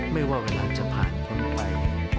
ไม่ว่าเวลาจะผ่านค่าแน่ไป